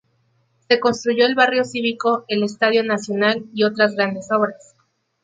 Se construyó el Barrio Cívico, el Estadio Nacional y otras grandes obras.